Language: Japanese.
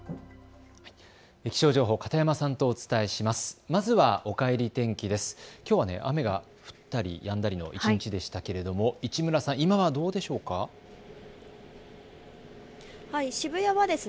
気象情報、片山さんとお伝えします。